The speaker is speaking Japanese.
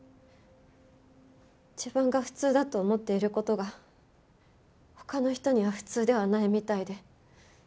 自分が普通だと思っている事が他の人には普通ではないみたいで。